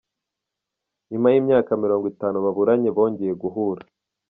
Nyuma y’imyaka mirongo itanu baburanye bongeye guhura